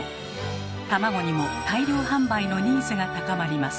卵にも大量販売のニーズが高まります。